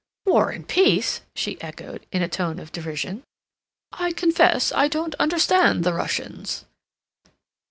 "War and Peace!" she echoed, in a tone of derision. "I confess I don't understand the Russians."